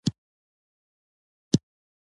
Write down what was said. طالبان د ټولنې د بې وزلو سره مرسته کوي.